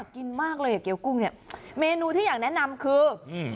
กินมากเลยเกี้ยกุ้งเนี้ยเมนูที่อยากแนะนำคืออืม